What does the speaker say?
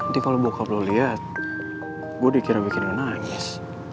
nanti kalau bokap lo liat gue dikira bikin nangis